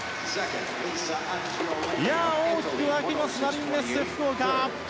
大きく沸きますマリンメッセ福岡。